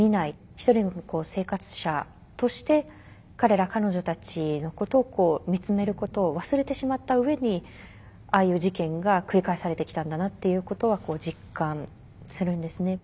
一人の生活者として彼ら彼女たちのことを見つめることを忘れてしまった上にああいう事件が繰り返されてきたんだなっていうことは実感するんですね。